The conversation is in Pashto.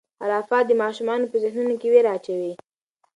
خرافات د ماشومانو په ذهنونو کې وېره اچوي.